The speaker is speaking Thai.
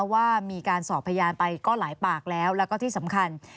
ว่ามีการสอบพยานไปก็หลายปากแล้วแล้วก็ที่สำคัญ